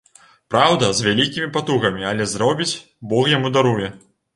Праўда, з вялікімі патугамі, але зробіць, бог яму даруе.